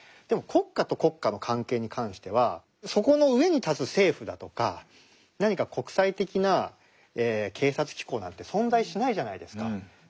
でも国家と国家の関係に関してはそこの上に立つ政府だとか何か国際的な警察機構なんて存在しないじゃないですか。